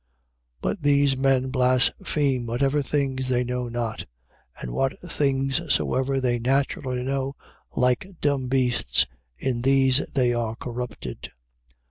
But these men blaspheme whatever things they know not: and what things soever they naturally know, like dumb beasts, in these they are corrupted.